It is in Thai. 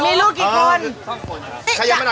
มีลูกกี่คน